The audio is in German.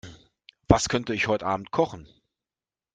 Was könnte ich heute Abend kochen?